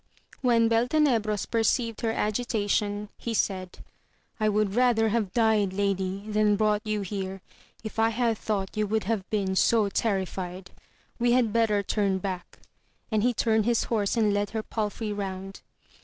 When Beltenebros perceived her agitation, he said, I would rather have died, lady, than brought you here, if I had thought you would have been so terrified ; we had better turn back, and he turned his horse and led her palfrey round.